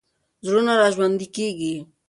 زړونه راژوندي کېږي.